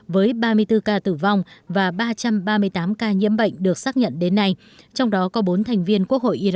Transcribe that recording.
với ba mươi bốn ca tử vong và ba trăm ba mươi tám ca nhiễm bệnh được xác nhận đến nay trong đó có bốn thành viên quốc hội iran